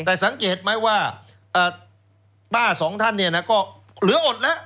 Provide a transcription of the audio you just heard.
แต่สังเกตไหมว่าป้าสองท่านเนี่ยนะก็เหลืออดแล้ว